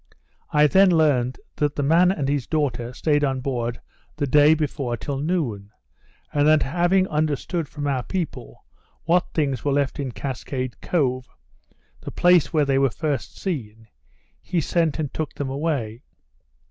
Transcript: I then learnt that the man and his daughter stayed on board the day before till noon; and that having understood from our people what things were left in Cascade Cove, the place where they were first seen, he sent and took them away.